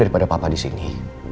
daripada papa disini